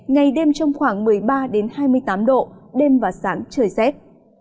ngày đêm trong khoảng một mươi ba hai mươi tám độ đêm và sáng trời rét